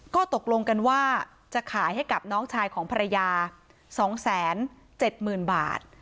ก็ตกลงกันว่าจะขายให้กับน้องชายของภรรยาสองแสนเจ็ดหมื่นบาท